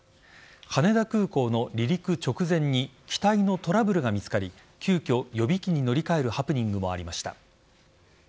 羽田空港の離陸直前に機体のトラブルが見つかり急きょ、予備機に乗り換えるハプニングもありました。